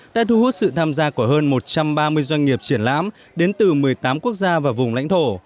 đã thu hút sự tham gia của hơn một trăm ba mươi doanh nghiệp triển lãm đến từ một mươi tám quốc gia và vùng lãnh thổ